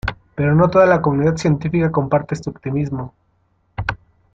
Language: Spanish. Pero no toda la comunidad científica comparte este optimismo.